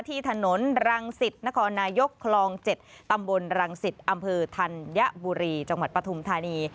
ที่ถนนรังสิตนครนายกคลอง๗ตำบลรังสิตอำเภอธัญบุรีจังหวัดปฐุมธานี